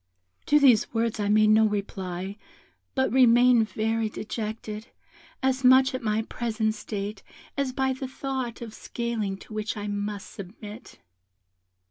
"To these words I made no reply, but remained very dejected, as much at my present state as by the thought of scaling to which I must submit.